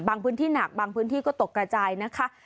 พื้นที่หนักบางพื้นที่ก็ตกกระจายนะคะ